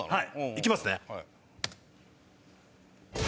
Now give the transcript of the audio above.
行きますね。